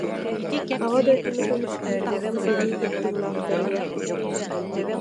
Аҕа дойдуну көмүскүүр Улуу сэрии кыттыылаахтарыгар